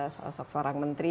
sosok seorang menteri